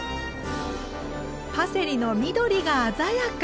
パセリの緑が鮮やか！